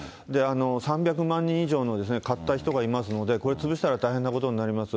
３００万人以上の買った人がいますので、これ、潰したら大変なことになります。